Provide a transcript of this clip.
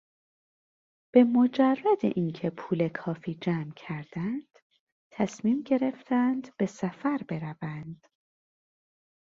به مجرد اینکه پول کافی جمع کردند تصمیم گرفتند به سفر بروند.